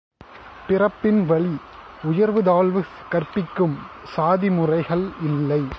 பிறப்பின் வழி உயர்வு தாழ்வு கற்பிக்கும் சாதி முறைகள் இல்லை.